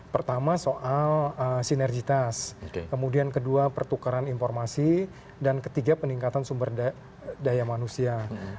pertama soal sinergitas kemudian kedua pertukaran informasi dan ketiga peningkatan sumber daya manusia